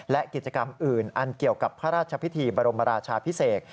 และกิจกรรมอื่นอันเกี่ยวกับพระราชพิธีบรมราชาพิเศษ